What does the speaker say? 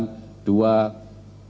dua tindakan keselamatan